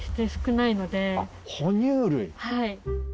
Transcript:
はい。